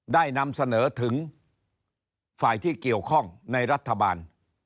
ได้นำเสนอถึงฝ่ายที่เกี่ยวข้องในรัฐบาล